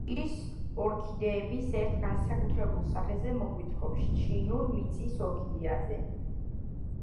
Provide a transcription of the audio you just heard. ის ორქიდეების ერთ განსაკუთრებულ სახეზე მოგვითხრობს, ჩინურ მიწის ორქიდეაზე.